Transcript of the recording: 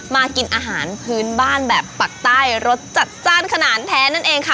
มากินอาหารพื้นบ้านแบบปักใต้รสจัดจ้านขนาดแท้นั่นเองค่ะ